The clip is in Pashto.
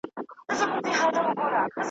د ټول مصر به مالدار او دُنیا دار سم ,